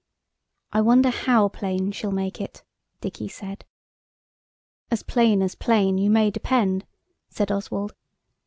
"I wonder how plain she'll make it?" Dicky said. "As plain as plain, you may depend," said Oswald.